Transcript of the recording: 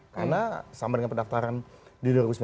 karena sama dengan pendaftaran di dua ribu sembilan belas